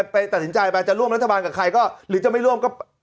ไปตัดสินใจไปจะร่วมรัฐบาลกับใครก็หรือจะไม่ร่วมก็